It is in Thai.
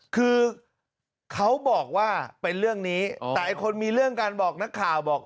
คือเขาบอกว่าเป็นเรื่องนี้แต่ไอ้คนมีเรื่องการบอกนักข่าวบอก